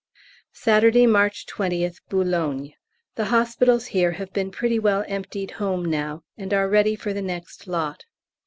Saturday, March 20th, Boulogne. The hospitals here have been pretty well emptied home now, and are ready for the next lot.